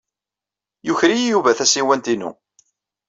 Yuker-iyi Yuba tasiwant-inu.